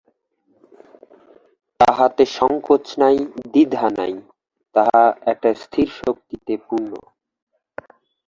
তাহাতে সংকোচ নাই, দ্বিধা নাই, তাহা একটা স্থির শক্তিতে পূর্ণ।